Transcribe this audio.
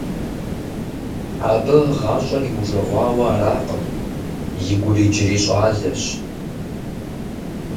Абы гъащӀэр иужэгъуауэ аракъым, и гур иджыри щӀалэщ.